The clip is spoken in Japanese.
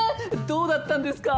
どうだったんですか？